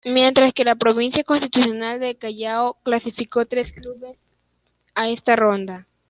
Mientras que la Provincia Constitucional del Callao clasificó tres clubes a esta ronda.